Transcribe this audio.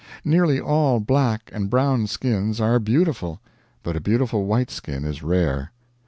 Nearly all black and brown skins are beautiful, but a beautiful white skin is rare.